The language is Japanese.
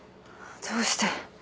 どうして。